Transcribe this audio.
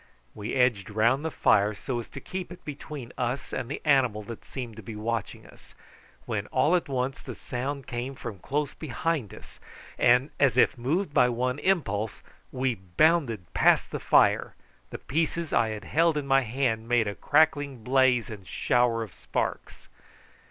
We edged round the fire so as to keep it between us and the animal that seemed to be watching us, when all at once the sound came from close behind us, and, as if moved by one impulse, we bounded past the fire, the pieces I had held in my hand making a crackling blaze and shower of sparks.